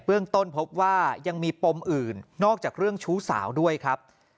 เรื่องต้นพบว่ายังมีปมอื่นนอกจากเรื่องชู้สาวด้วยครับ